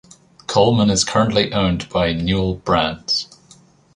Coleman is currently owned by Newell Brands.